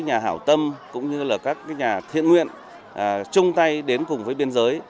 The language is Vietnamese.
nhà hảo tâm cũng như là các nhà thiện nguyện chung tay đến cùng với biên giới